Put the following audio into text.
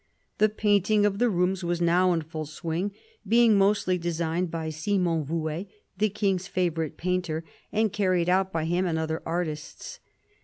The painting of the rooms was now in full swing, being mostly designed by Simon Vouet, the King's favourite painter, and carried out by him and other artists.